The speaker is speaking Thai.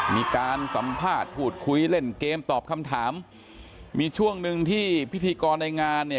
มีการสัมภาษณ์พูดคุยเล่นเกมตอบคำถามมีช่วงหนึ่งที่พิธีกรในงานเนี่ย